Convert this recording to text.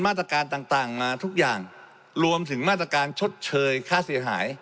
มาตรการต่างต่างมาทุกอย่างรวมถึงมาตรการชดเชยค่าเสียหาย